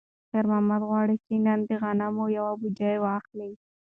خیر محمد غواړي چې نن د غنمو یوه بوجۍ واخلي.